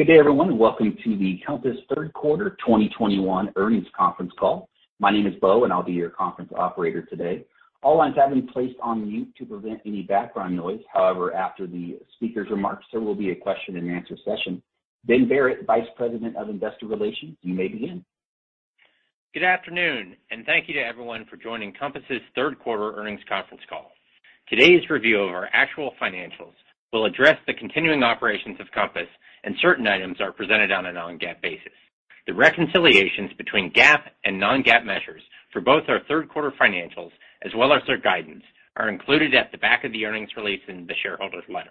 Good day, everyone, and welcome to the Compass 3rd Quarter 2021 Earnings Conference Call. My name is Bo, and I'll be your conference operator today. All lines have been placed on mute to prevent any background noise. However, after the speaker's remarks, there will be a question-and-answer session. Ben Barrett, Vice President of Investor Relations, you may begin. Good afternoon, and thank you to everyone for joining Compass's 3rd Quarter Earnings Conference Call. Today's review of our actual financials will address the continuing operations of Compass, and certain items are presented on a non-GAAP basis. The reconciliations between GAAP and non-GAAP measures for both our third quarter financials as well as their guidance are included at the back of the earnings release in the shareholder's letter.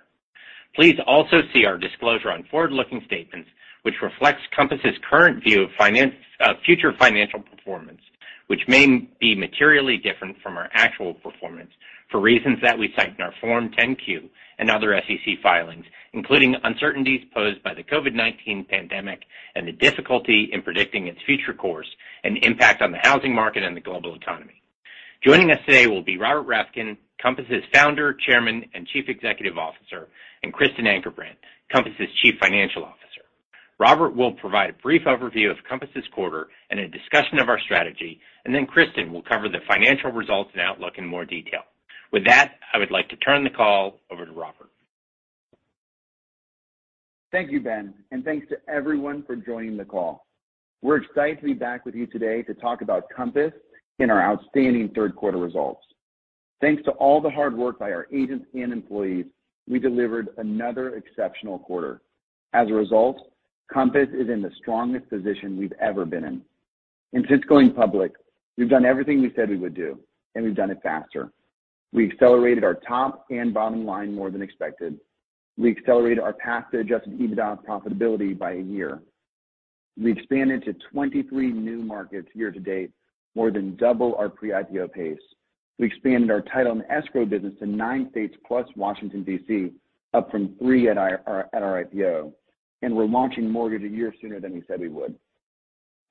Please also see our disclosure on forward-looking statements, which reflects Compass's current view of future financial performance, which may be materially different from our actual performance for reasons that we cite in our Form 10-Q and other SEC filings, including uncertainties posed by the COVID-19 pandemic and the difficulty in predicting its future course and impact on the housing market and the global economy. Joining us today will be Robert Reffkin, Compass's Founder, Chairman, and Chief Executive Officer, and Kristen Ankerbrandt, Compass's Chief Financial Officer. Robert will provide a brief overview of Compass's quarter and a discussion of our strategy, and then Kristen will cover the financial results and outlook in more detail. With that, I would like to turn the call over to Robert. Thank you Ben, and thanks to everyone for joining the call. We're excited to be back with you today to talk about Compass and our outstanding third quarter results. Thanks to all the hard work by our agents and employees, we delivered another exceptional quarter. As a result, Compass is in the strongest position we've ever been in. Since going public, we've done everything we said we would do, and we've done it faster. We accelerated our top and bottom line more than expected. We accelerated our path to Adjusted EBITDA profitability by a year. We expanded to 23 new markets year to date, more than double our pre-IPO pace. We expanded our title and escrow business to nine states plus Washington, D.C., up from three at our IPO, and we're launching mortgage a year sooner than we said we would.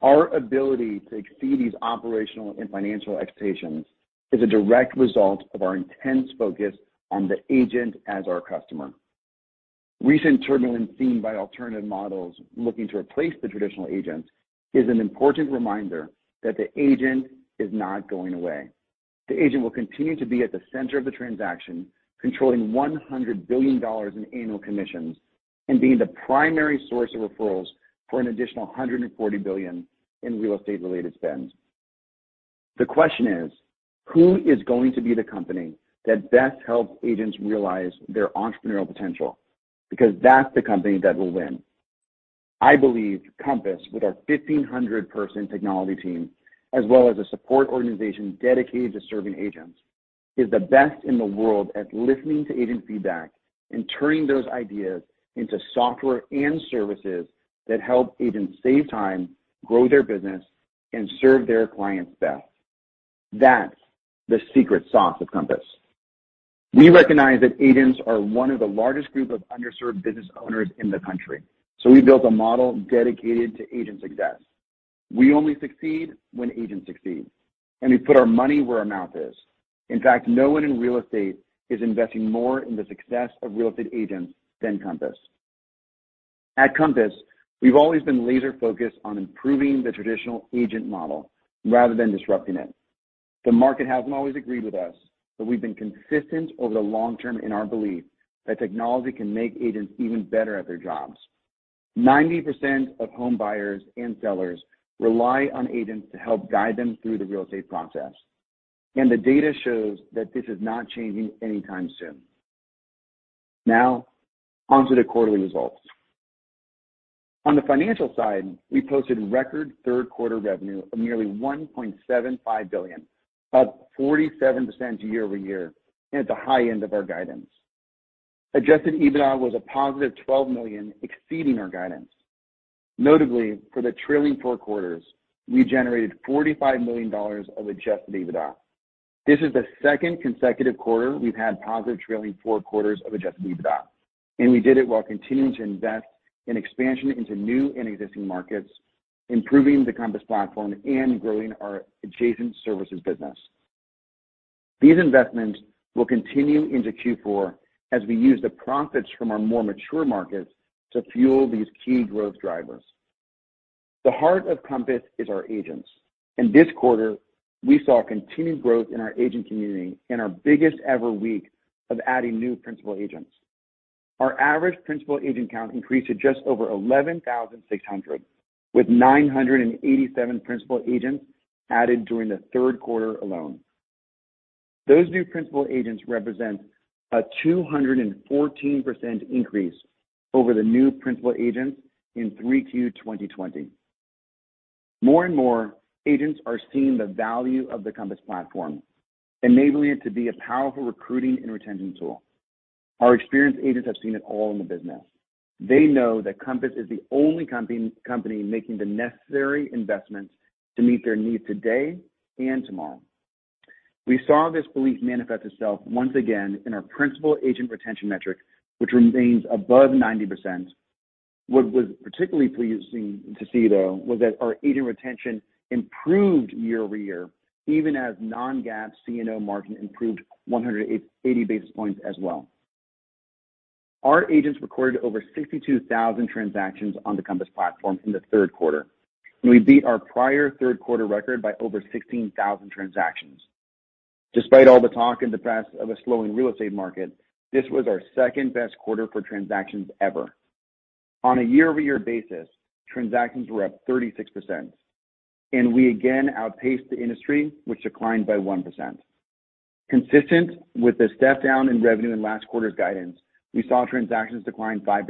Our ability to exceed these operational and financial expectations is a direct result of our intense focus on the agent as our customer. Recent turbulence seen by alternative models looking to replace the traditional agents is an important reminder that the agent is not going away. The agent will continue to be at the center of the transaction, controlling $100 billion in annual commissions and being the primary source of referrals for an additional $140 billion in real estate-related spend. The question is, who is going to be the company that best helps agents realize their entrepreneurial potential? Because that's the company that will win. I believe Compass, with our 1,500-person technology team, as well as a support organization dedicated to serving agents, is the best in the world at listening to agent feedback and turning those ideas into software and services that help agents save time, grow their business, and serve their clients best. That's the secret sauce of Compass. We recognize that agents are one of the largest group of underserved business owners in the country, so we built a model dedicated to agent success. We only succeed when agents succeed, and we put our money where our mouth is. In fact, no one in real estate is investing more in the success of real estate agents than Compass. At Compass, we've always been laser-focused on improving the traditional agent model rather than disrupting it. The market hasn't always agreed with us, but we've been consistent over the long term in our belief that technology can make agents even better at their jobs. 90% of home buyers and sellers rely on agents to help guide them through the real estate process, and the data shows that this is not changing anytime soon. Now, onto the quarterly results. On the financial side, we posted record third quarter revenue of nearly $1.75 billion, up 47% year-over-year, and at the high end of our guidance. Adjusted EBITDA was a positive $12 million, exceeding our guidance. Notably, for the trailing four quarters, we generated $45 million of Adjusted EBITDA. This is the second consecutive quarter we've had positive trailing four quarters of Adjusted EBITDA, and we did it while continuing to invest in expansion into new and existing markets, improving the Compass platform, and growing our adjacent services business. These investments will continue into Q4 as we use the profits from our more mature markets to fuel these key growth drivers. The heart of Compass is our agents, and this quarter we saw continued growth in our agent community and our biggest ever week of adding new principal agents. Our average principal agent count increased to just over 11,600, with 987 principal agents added during the third quarter alone. Those new principal agents represent a 214% increase over the new principal agents in Q3 2020. More and more agents are seeing the value of the Compass platform, enabling it to be a powerful recruiting and retention tool. Our experienced agents have seen it all in the business. They know that Compass is the only company making the necessary investments to meet their needs today and tomorrow. We saw this belief manifest itself once again in our principal agent retention metric, which remains above 90%. What was particularly pleasing to see, though, was that our agent retention improved year-over-year, even as non-GAAP C&O margin improved 180 basis points as well. Our agents recorded over 62,000 transactions on the Compass platform in the third quarter, and we beat our prior third quarter record by over 16,000 transactions. Despite all the talk in the press of a slowing real estate market, this was our second-best quarter for transactions ever. On a year-over-year basis, transactions were up 36%, and we again outpaced the industry, which declined by 1%. Consistent with the step-down in revenue in last quarter's guidance, we saw transactions decline 5%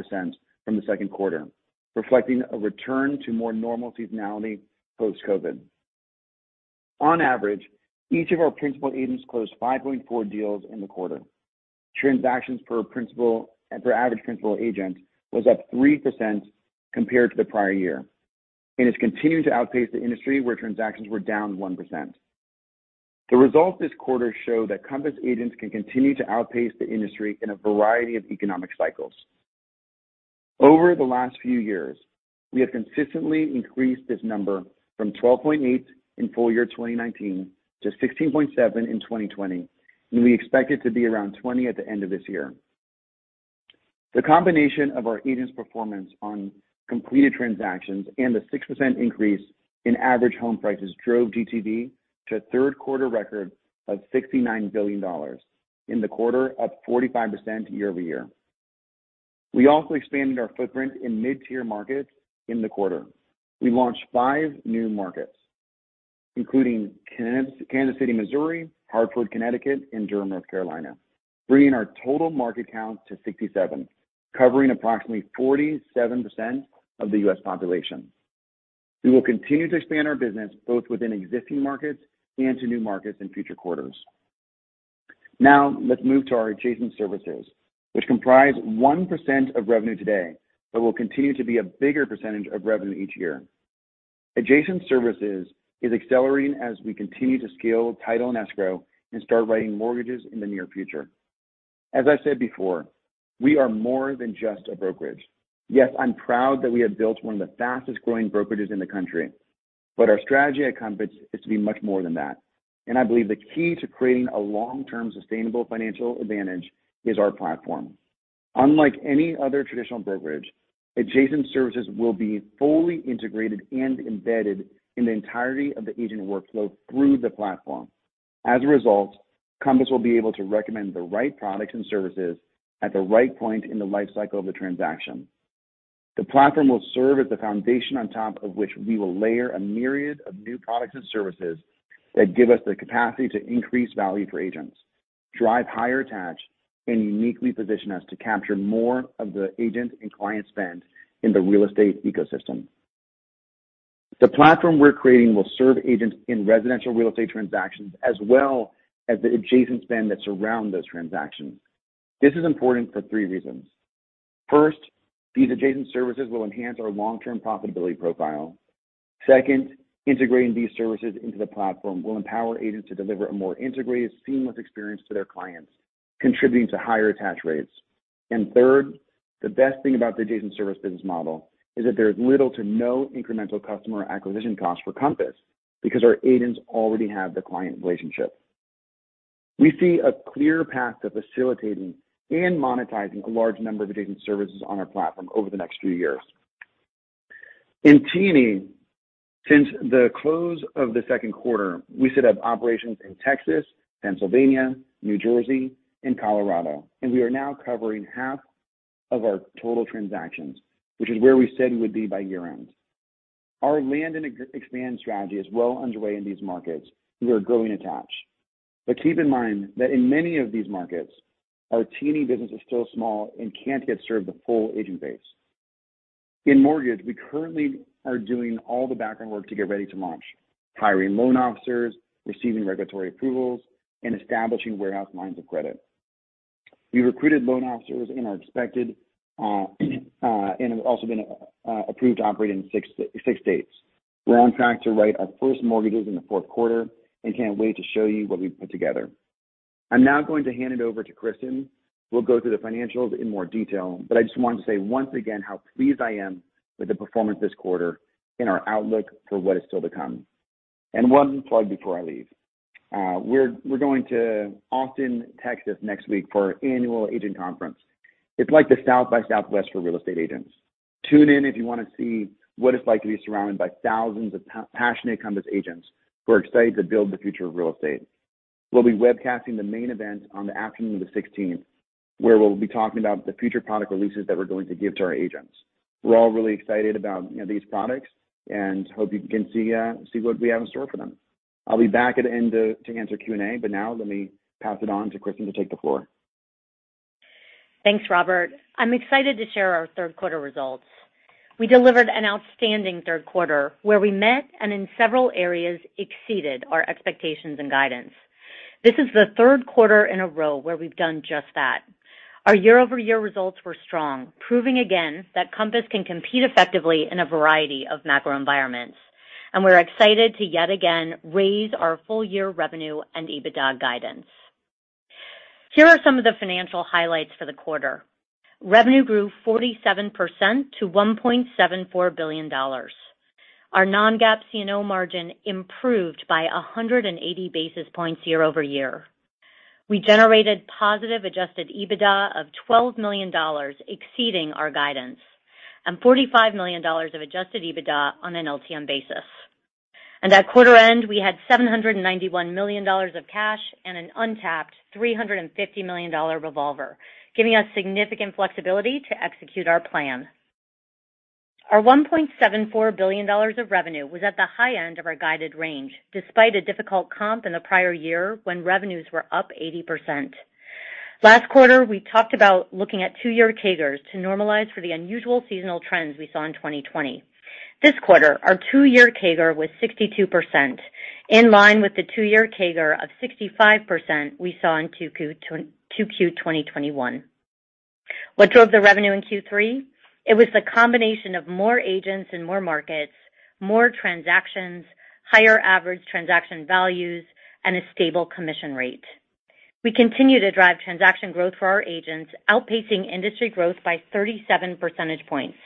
from the second quarter, reflecting a return to more normal seasonality post-COVID. On average, each of our principal agents closed 5.4% deals in the quarter. Transactions per average principal agent was up 3% compared to the prior year and has continued to outpace the industry where transactions were down 1%. The results this quarter show that Compass agents can continue to outpace the industry in a variety of economic cycles. Over the last few years, we have consistently increased this number from 12.8 in full year 2019 to 16.7 in 2020, and we expect it to be around 20 at the end of this year. The combination of our agents' performance on completed transactions and the 6% increase in average home prices drove GTV to a third-quarter record of $69 billion, in the quarter, up 45% year-over-year. We also expanded our footprint in mid-tier markets in the quarter. We launched five new markets, including Kansas City, Missouri, Hartford, Connecticut, and Durham, North Carolina, bringing our total market count to 67, covering approximately 47% of the U.S. population. We will continue to expand our business both within existing markets and to new markets in future quarters. Now let's move to our adjacent services, which comprise 1% of revenue today, but will continue to be a bigger percentage of revenue each year. Adjacent services is accelerating as we continue to scale title and escrow and start writing mortgages in the near future. As I said before, we are more than just a brokerage. Yes, I'm proud that we have built one of the fastest-growing brokerages in the country, but our strategy at Compass is to be much more than that, and I believe the key to creating a long-term sustainable financial advantage is our platform. Unlike any other traditional brokerage, adjacent services will be fully integrated and embedded in the entirety of the agent workflow through the platform. As a result, Compass will be able to recommend the right products and services at the right point in the life cycle of the transaction. The platform will serve as the foundation on top of which we will layer a myriad of new products and services that give us the capacity to increase value for agents, drive higher attach, and uniquely position us to capture more of the agent and client spend in the real estate ecosystem. The platform we're creating will serve agents in residential real estate transactions as well as the adjacent spend that surround those transactions. This is important for three reasons. First, these adjacent services will enhance our long-term profitability profile. Second, integrating these services into the platform will empower agents to deliver a more integrated, seamless experience to their clients, contributing to higher attach rates. Third, the best thing about the adjacent service business model is that there's little to no incremental customer acquisition costs for Compass because our agents already have the client relationship. We see a clear path to facilitating and monetizing a large number of adjacent services on our platform over the next few years. In T&E, since the close of the second quarter, we set up operations in Texas, Pennsylvania, New Jersey, and Colorado, and we are now covering half of our total transactions, which is where we said we would be by year-end. Our land-and-expand strategy is well underway in these markets, and we are growing attach. Keep in mind that in many of these markets, our T&E business is still small and can't yet serve the full agent base. In mortgage, we currently are doing all the background work to get ready to launch, hiring loan officers, receiving regulatory approvals, and establishing warehouse lines of credit. We recruited loan officers and have also been approved to operate in six states. We're on track to write our first mortgages in the fourth quarter and can't wait to show you what we've put together. I'm now going to hand it over to Kristen, who will go through the financials in more detail. I just want to say once again how pleased I am with the performance this quarter and our outlook for what is still to come. One plug before I leave. We're going to Austin, Texas, next week for our annual agent conference. It's like the South by Southwest for real estate agents. Tune in if you want to see what it's like to be surrounded by thousands of passionate Compass agents who are excited to build the future of real estate. We'll be webcasting the main event on the afternoon of the 16th, where we'll be talking about the future product releases that we're going to give to our agents. We're all really excited about, you know, these products and hope you can see what we have in store for them. I'll be back at the end to answer Q&A, but now let me pass it on to Kristen to take the floor. Thanks, Robert. I'm excited to share our third-quarter results. We delivered an outstanding third quarter where we met and in several areas exceeded our expectations and guidance. This is the third quarter in a row where we've done just that. Our year-over-year results were strong, proving again that Compass can compete effectively in a variety of macro environments. We're excited to yet again raise our full year revenue and EBITDA guidance. Here are some of the financial highlights for the quarter. Revenue grew 47% to $1.74 billion. Our non-GAAP C&O margin improved by 180 basis points year-over-year. We generated positive Adjusted EBITDA of $12 million, exceeding our guidance, and $45 million of Adjusted EBITDA on an LTM basis. At quarter end, we had $791 million of cash and an untapped $350 million revolver, giving us significant flexibility to execute our plan. Our $1.74 billion of revenue was at the high end of our guided range, despite a difficult comp in the prior year when revenues were up 80%. Last quarter, we talked about looking at two-year CAGRs to normalize for the unusual seasonal trends we saw in 2020. This quarter, our two-year CAGR was 62%, in line with the two-year CAGR of 65% we saw in 2Q 2021. What drove the revenue in Q3? It was the combination of more agents and more markets, more transactions, higher average transaction values, and a stable commission rate. We continue to drive transaction growth for our agents, outpacing industry growth by 37 percentage points.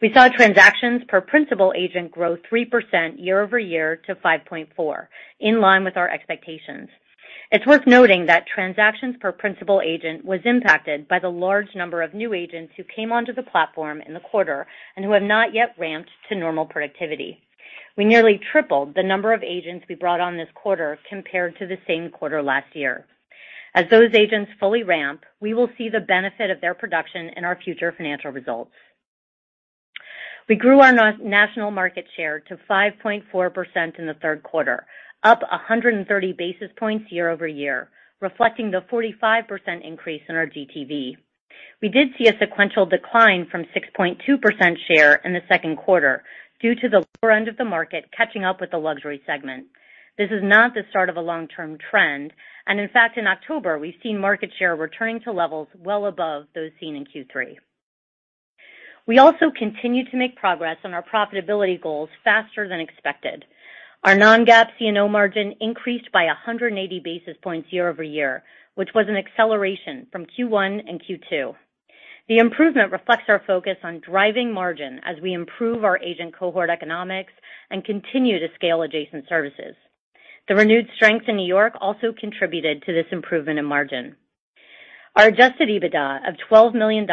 We saw transactions per principal agent grow 3% year-over-year to 5.4%, in line with our expectations. It's worth noting that transactions per principal agent was impacted by the large number of new agents who came onto the platform in the quarter and who have not yet ramped to normal productivity. We nearly tripled the number of agents we brought on this quarter compared to the same quarter last year. As those agents fully ramp, we will see the benefit of their production in our future financial results. We grew our national market share to 5.4% in the third quarter, up 130 basis points year-over-year, reflecting the 45% increase in our GTV. We did see a sequential decline from 6.2% share in the second quarter due to the lower end of the market catching up with the luxury segment. This is not the start of a long-term trend, and in fact, in October, we've seen market share returning to levels well above those seen in Q3. We also continue to make progress on our profitability goals faster than expected. Our non-GAAP C&O margin increased by 100 basis points year-over-year, which was an acceleration from Q1 and Q2. The improvement reflects our focus on driving margin as we improve our agent cohort economics and continue to scale adjacent services. The renewed strength in New York also contributed to this improvement in margin. Our Adjusted EBITDA of $12 million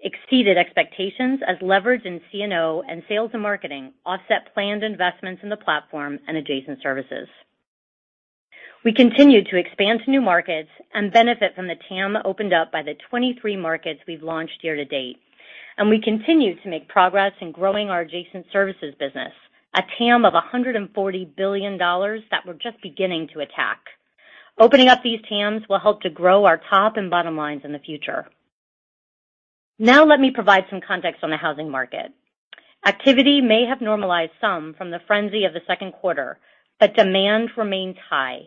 exceeded expectations as leverage in C&O and sales and marketing offset planned investments in the platform and adjacent services. We continue to expand to new markets and benefit from the TAM opened up by the 23 markets we've launched year to date. We continue to make progress in growing our adjacent services business, a TAM of $140 billion that we're just beginning to attack. Opening up these TAMs will help to grow our top and bottom lines in the future. Now let me provide some context on the housing market. Activity may have normalized some from the frenzy of the second quarter, but demand remains high.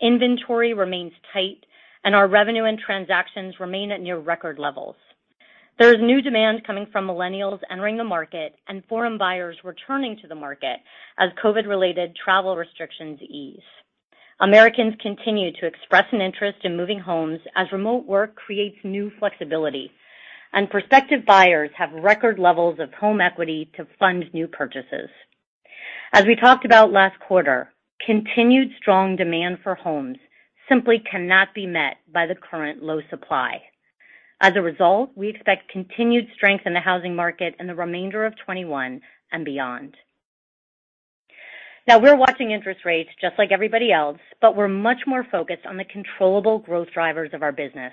Inventory remains tight and our revenue and transactions remain at near record levels. There is new demand coming from millennials entering the market and foreign buyers returning to the market as COVID-related travel restrictions ease. Americans continue to express an interest in moving homes as remote work creates new flexibility, and prospective buyers have record levels of home equity to fund new purchases. As we talked about last quarter, continued strong demand for homes simply cannot be met by the current low supply. As a result, we expect continued strength in the housing market in the remainder of 2021 and beyond. Now we're watching interest rates just like everybody else, but we're much more focused on the controllable growth drivers of our business.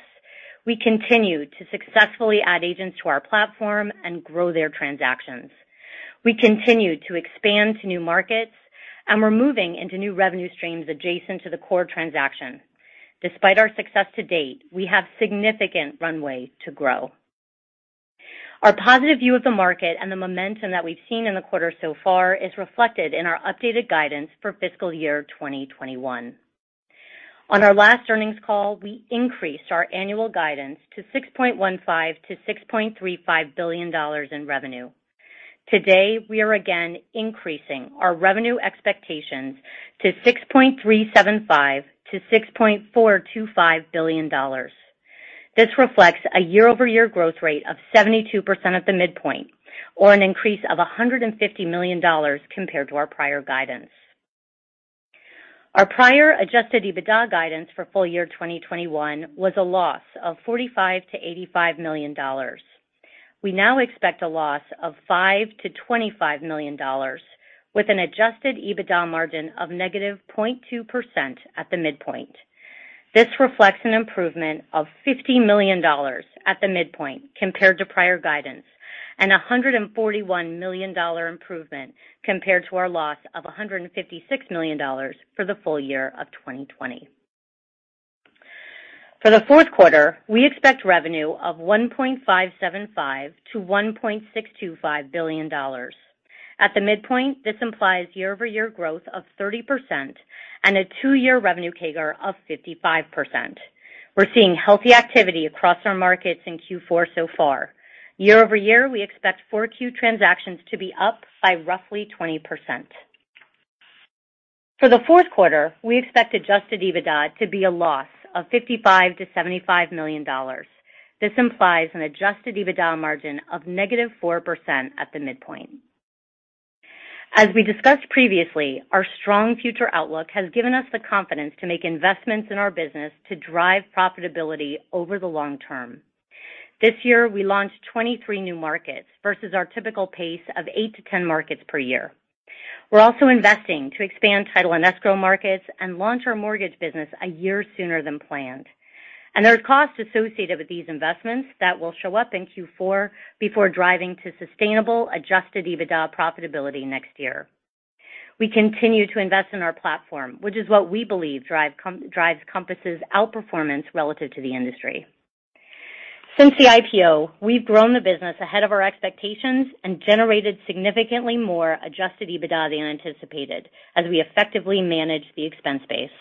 We continue to successfully add agents to our platform and grow their transactions. We continue to expand to new markets, and we're moving into new revenue streams adjacent to the core transaction. Despite our success to date, we have significant runway to grow. Our positive view of the market and the momentum that we've seen in the quarter so far is reflected in our updated guidance for fiscal year 2021. On our last earnings call, we increased our annual guidance to $6.15 billion-$6.35 billion in revenue. Today, we are again increasing our revenue expectations to $6.375 billion-$6.425 billion. This reflects a year-over-year growth rate of 72% at the midpoint, or an increase of $150 million compared to our prior guidance. Our prior Adjusted EBITDA guidance for full year 2021 was a loss of $45 million-$85 million. We now expect a loss of $5 million-$25 million with an Adjusted EBITDA margin of -0.2% at the midpoint. This reflects an improvement of $50 million at the midpoint compared to prior guidance, and a 141 million dollar improvement compared to our loss of $156 million for the full year of 2020. For the fourth quarter, we expect revenue of $1.575 billion-$1.625 billion. At the midpoint, this implies year-over-year growth of 30% and a two-year revenue CAGR of 55%. We're seeing healthy activity across our markets in Q4 so far. Year-over-year, we expect 4Q transactions to be up by roughly 20%. For the fourth quarter, we expect Adjusted EBITDA to be a loss of $55 million-$75 million. This implies an Adjusted EBITDA margin of -4% at the midpoint. As we discussed previously, our strong future outlook has given us the confidence to make investments in our business to drive profitability over the long term. This year, we launched 23 new markets versus our typical pace of eight-10 markets per year. We're also investing to expand title and escrow markets and launch our mortgage business a year sooner than planned. There are costs associated with these investments that will show up in Q4 before driving to sustainable Adjusted EBITDA profitability next year. We continue to invest in our platform, which is what we believe drives Compass' outperformance relative to the industry. Since the IPO, we've grown the business ahead of our expectations and generated significantly more Adjusted EBITDA than anticipated as we effectively manage the expense base.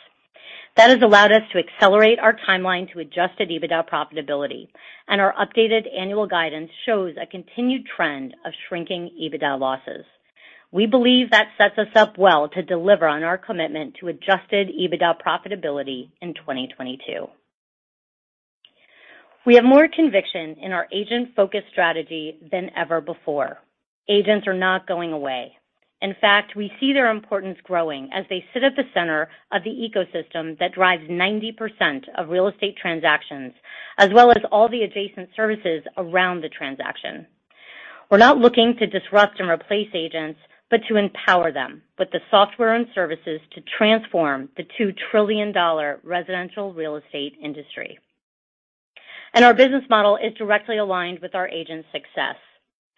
That has allowed us to accelerate our timeline to Adjusted EBITDA profitability, and our updated annual guidance shows a continued trend of shrinking EBITDA losses. We believe that sets us up well to deliver on our commitment to Adjusted EBITDA profitability in 2022. We have more conviction in our agent-focused strategy than ever before. Agents are not going away. In fact, we see their importance growing as they sit at the center of the ecosystem that drives 90% of real estate transactions, as well as all the adjacent services around the transaction. We're not looking to disrupt and replace agents, but to empower them with the software and services to transform the $2 trillion residential real estate industry. Our business model is directly aligned with our agents' success.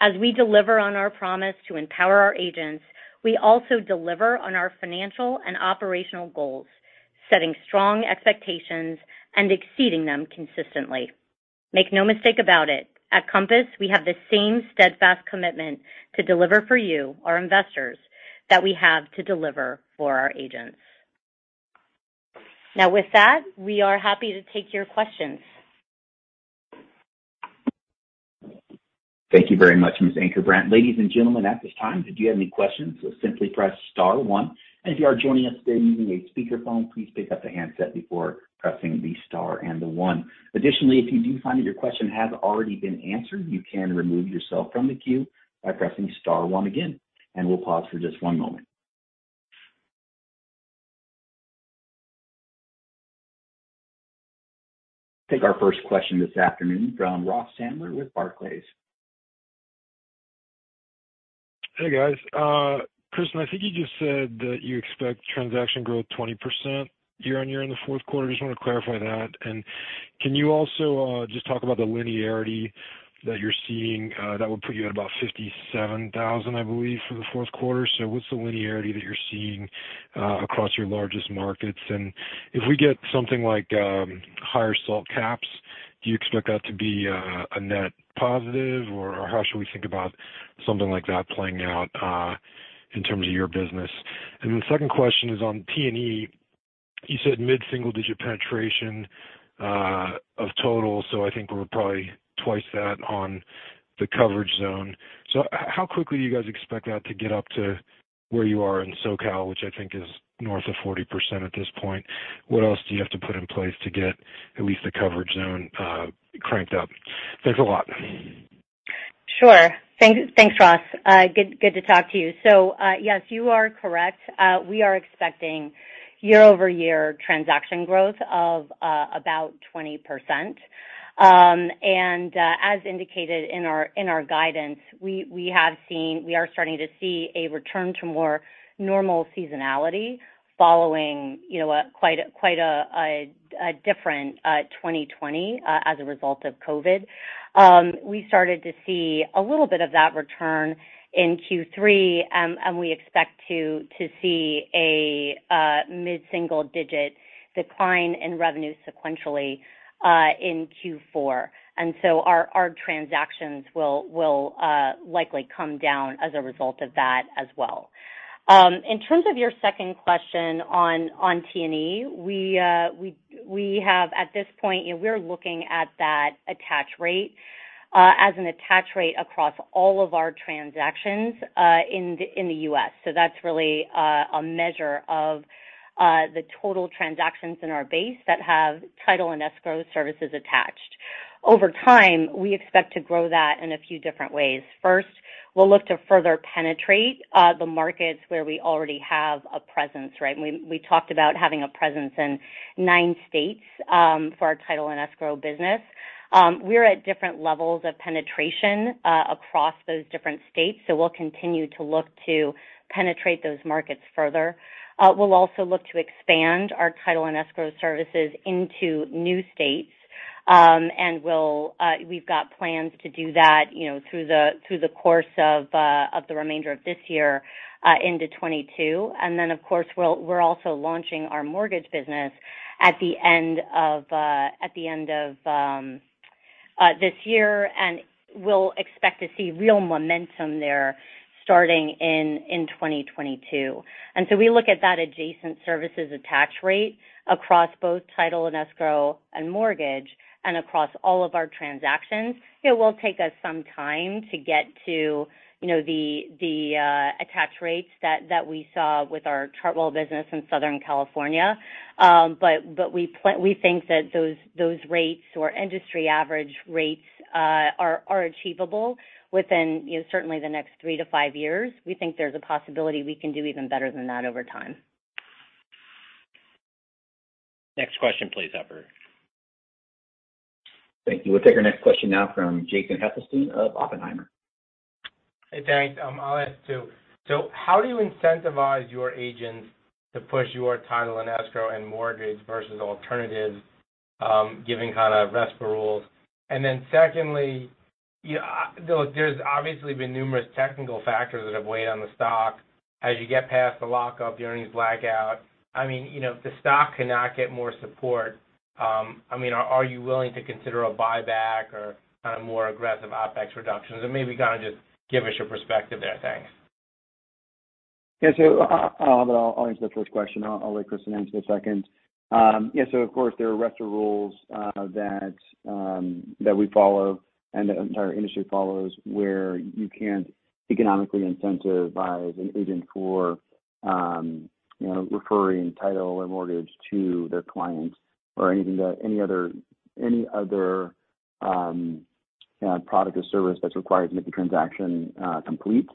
As we deliver on our promise to empower our agents, we also deliver on our financial and operational goals, setting strong expectations and exceeding them consistently. Make no mistake about it, at Compass, we have the same steadfast commitment to deliver for you, our investors, that we have to deliver for our agents. Now, with that, we are happy to take your questions. Thank you very much, Ms. Ankerbrandt. Ladies and gentlemen, at this time, if you have any questions, simply press star one. If you are joining us today using a speakerphone, please pick up the handset before pressing the star and the one. Additionally, if you do find that your question has already been answered, you can remove yourself from the queue by pressing star one again. We'll pause for just one moment. Take our first question this afternoon from Ross Sandler with Barclays. Hey, guys. Kristen, I think you just said that you expect transaction growth 20% year-on-year in the fourth quarter. Just wanna clarify that. Can you also just talk about the linearity that you're seeing that would put you at about 57,000, I believe, for the fourth quarter. What's the linearity that you're seeing across your largest markets? If we get something like higher SALT caps, do you expect that to be a net positive, or how should we think about something like that playing out in terms of your business? Then the second question is on T&E. You said mid-single digit penetration of total, so I think we're probably twice that on the coverage zone. How quickly do you guys expect that to get up to where you are in SoCal, which I think is north of 40% at this point? What else do you have to put in place to get at least the coverage zone cranked up? There's a lot. Sure. Thanks, Ross. Good to talk to you. Yes, you are correct. We are expecting year-over-year transaction growth of about 20%. As indicated in our guidance, we are starting to see a return to more normal seasonality following, you know, quite a different 2020 as a result of COVID. We started to see a little bit of that return in Q3, and we expect to see a mid-single digit decline in revenue sequentially in Q4. Our transactions will likely come down as a result of that as well. In terms of your second question on T&E, we have at this point, you know, we're looking at that attach rate as an attach rate across all of our transactions in the U.S. That's really a measure of the total transactions in our base that have title and escrow services attached. Over time, we expect to grow that in a few different ways. First, we'll look to further penetrate the markets where we already have a presence, right? We talked about having a presence in nine states for our title and escrow business. We're at different levels of penetration across those different states, so we'll continue to look to penetrate those markets further. We'll also look to expand our title and escrow services into new states, and we've got plans to do that, you know, through the course of the remainder of this year into 2022. Of course, we're also launching our mortgage business at the end of this year, and we'll expect to see real momentum there starting in 2022. We look at that adjacent services attach rate across both title and escrow and mortgage and across all of our transactions. It will take us some time to get to, you know, the attach rates that we saw with our Chartwell business in Southern California. We think that those rates or industry average rates are achievable within certainly the next three to five years. We think there's a possibility we can do even better than that over time. Next question please, operator. Thank you. We'll take our next question now from Jason Helfstein of Oppenheimer. Hey, thanks, I'll ask, too. How do you incentivize your agents to push your title and escrow and mortgage versus alternatives, given kind of RESPA rules? Secondly, you know, there's obviously been numerous technical factors that have weighed on the stock. As you get past the lockup, the earnings blackout, I mean, you know, if the stock cannot get more support, I mean, are you willing to consider a buyback or kind of more aggressive OpEx reductions? Maybe kind of just give us your perspective there. Thanks. Yeah. I'll answer the first question. I'll let Kristen answer the second. Of course, there are RESPA rules that we follow and the entire industry follows, where you can't economically incentivize an agent for, you know, referring title or mortgage to their clients or any other product or service that's required to make the transaction complete.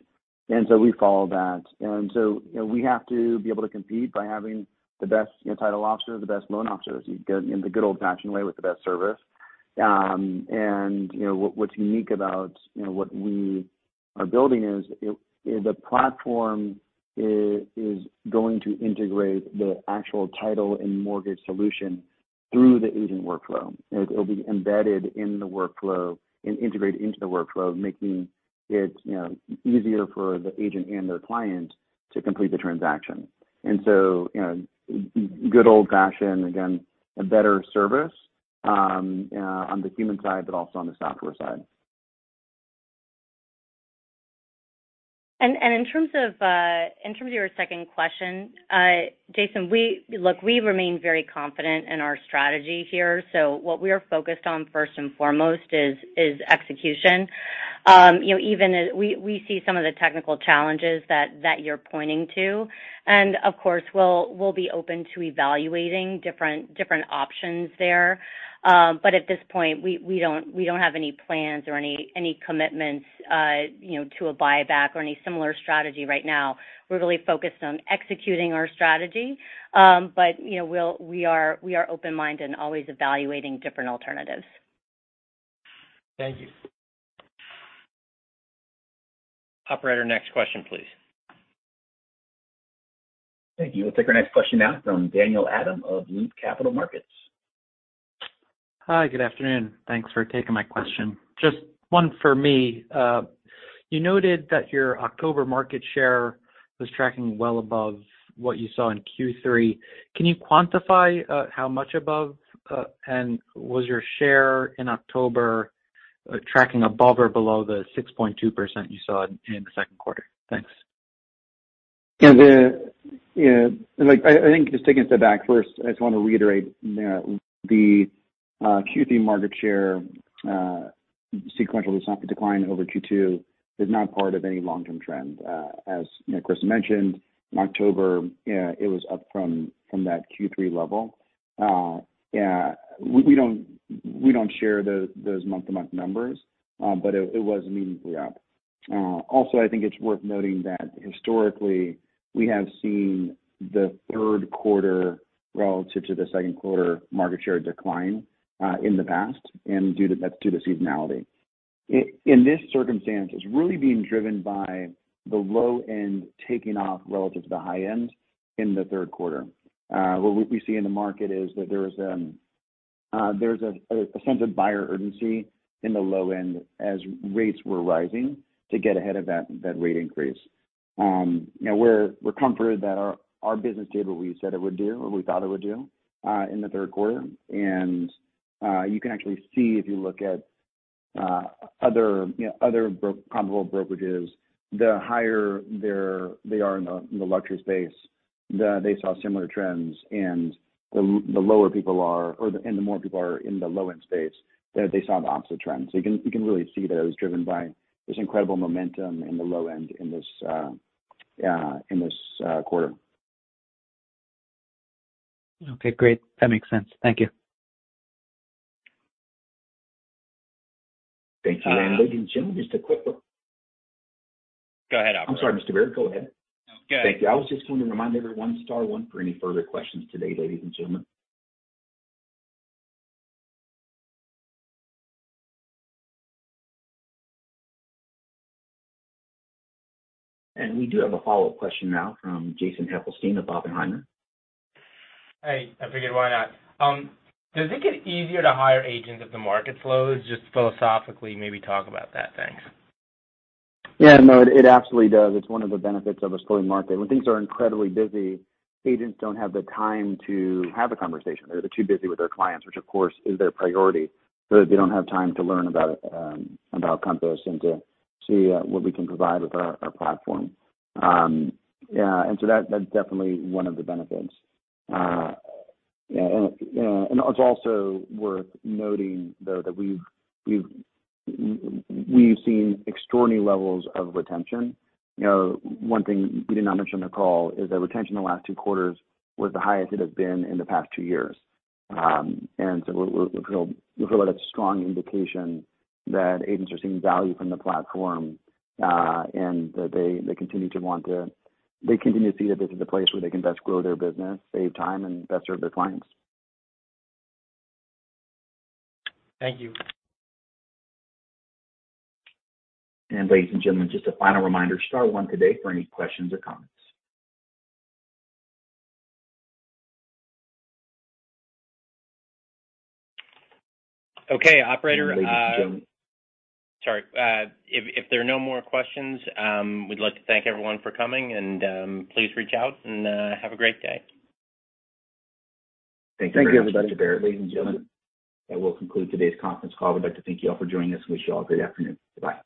We follow that. You know, we have to be able to compete by having the best, you know, title officer, the best loan officers in the good old-fashioned way with the best service. You know, what's unique about, you know, what we are building is the platform is going to integrate the actual title and mortgage solution through the agent workflow. It'll be embedded in the workflow and integrated into the workflow, making it, you know, easier for the agent and their client to complete the transaction. You know, good old-fashioned, again, a better service on the human side, but also on the software side. In terms of your second question, Jason, we remain very confident in our strategy here. What we are focused on first and foremost is execution. You know, even as we see some of the technical challenges that you're pointing to, and of course, we'll be open to evaluating different options there. At this point, we don't have any plans or any commitments, you know, to a buyback or any similar strategy right now. We're really focused on executing our strategy. You know, we are open-minded and always evaluating different alternatives. Thank you. Operator, next question, please. Thank you. We'll take our next question now from Daniel Adam of Loop Capital Markets. Hi, good afternoon. Thanks for taking my question. Just one for me. You noted that your October market share was tracking well above what you saw in Q3. Can you quantify how much above, and was your share in October tracking above or below the 6.2% you saw in the second quarter? Thanks. I think just taking a step back first, I just want to reiterate, you know, the Q3 market share sequential decline over Q2 is not part of any long-term trend. As you know, kris mentioned, October it was up from that Q3 level. We don't share those month-to-month numbers, but it was meaningfully up. Also, I think it's worth noting that historically we have seen the third quarter relative to the second quarter market share decline in the past, and that's due to seasonality. In this circumstance, it's really being driven by the low end taking off relative to the high end in the third quarter. What we see in the market is that there's a sense of buyer urgency in the low end as rates were rising to get ahead of that rate increase. You know, we're comforted that our business did what we said it would do or we thought it would do in the third quarter. You can actually see if you look at other, you know, other comparable brokerages, the higher they are in the luxury space, they saw similar trends. The lower people are or the more people are in the low end space, they saw the opposite trend. You can really see that it was driven by this incredible momentum in the low end in this quarter. Okay, great. That makes sense. Thank you. Thank you. Ladies and gentlemen, just a quick Go ahead, operator. I'm sorry, Mr. Barrett. Go ahead. No, go ahead. Thank you. I was just going to remind everyone star one for any further questions today, ladies and gentlemen. We do have a follow-up question now from Jason Helfstein of Oppenheimer. Hey, I figured, why not? Does it get easier to hire agents if the market slows? Just philosophically, maybe talk about that. Thanks. Yeah, no, it absolutely does. It's one of the benefits of a slowing market. When things are incredibly busy, agents don't have the time to have a conversation. They're too busy with their clients, which of course is their priority, so they don't have time to learn about Compass and to see what we can provide with our platform. That's definitely one of the benefits. It's also worth noting, though, that we've seen extraordinary levels of retention. You know, one thing we did not mention on the call is that retention in the last two quarters was the highest it has been in the past two years. We feel that's a strong indication that agents are seeing value from the platform, and that they continue to see that this is the place where they can best grow their business, save time, and best serve their clients. Thank you. And ladies and gentlemen, just a final reminder. Star one today for any questions or comments. Okay, operator. Ladies and gentlemen. Sorry. If there are no more questions, we'd like to thank everyone for coming, and please reach out and have a great day. Thank you very much, Mr. Barrett. Ladies and gentlemen, that will conclude today's conference call. We'd like to thank you all for joining us. We wish you all a great afternoon. Bye.